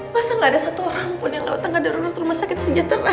masalah ada satu orang pun yang leher tanggananhurut rumah sakit senjatera